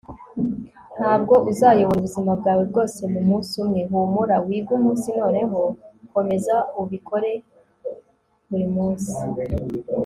ntabwo uzayobora ubuzima bwawe bwose mumunsi umwe. humura. wige umunsi. noneho komeza ubikore buri munsi